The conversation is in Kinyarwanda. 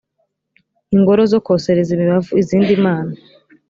ingoro zo kosereza imibavu izindi mana